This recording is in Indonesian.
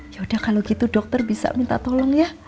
yaudah kalau gitu dokter bisa minta tolong ya